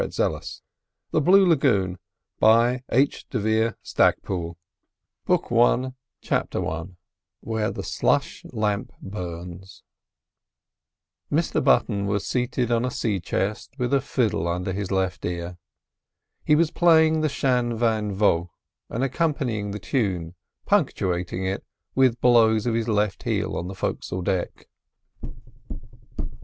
DUE SOUTH THE BLUE LAGOON BOOK I PART I CHAPTER I WHERE THE SLUSH LAMP BURNS Mr Button was seated on a sea chest with a fiddle under his left ear. He was playing the "Shan van vaught," and accompanying the tune, punctuating it, with blows of his left heel on the fo'cs'le deck.